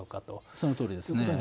そのとおりですね。